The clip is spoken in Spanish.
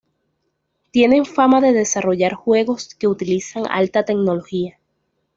Tienen fama de desarrollar juegos que utilizan alta tecnología.